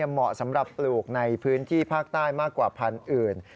เหมาะสำหรับปลูกในพื้นที่ภาคใต้มากกว่าพันธุ์อื่น